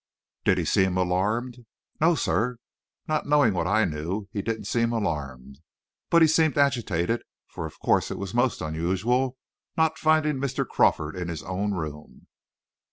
"Did he seem alarmed?" "No, sir. Not knowing what I knew, he didn't seemed alarmed. But he seemed agitated, for of course it was most unusual not finding Mr. Crawford in his own room."